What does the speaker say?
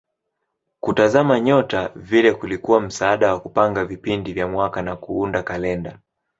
Kutazama nyota vile kulikuwa msaada wa kupanga vipindi vya mwaka na kuunda kalenda.